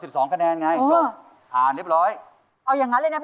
ช่วยฝังดินหรือกว่า